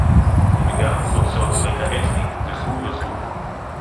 הן גם חוצות רקע אתני וכו' וכו'